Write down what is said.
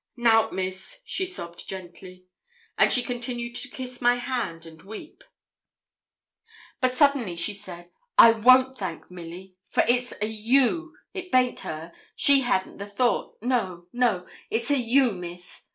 'Nout, Miss,' she sobbed gently; and she continued to kiss my hand and weep. But suddenly she said, 'I won't thank Milly, for it's a' you; it baint her, she hadn't the thought no, no, it's a' you, Miss.